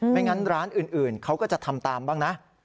ไม่งั้นร้านอื่นเขาก็จะทำตามบ้างนะ